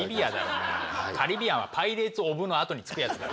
カリビアンは「パイレーツ・オブ」のあとにつくやつだろ。